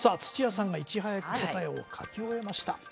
土屋さんがいち早く答えを書き終えました